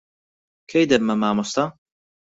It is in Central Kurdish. کەی دەبمە مامۆستا؟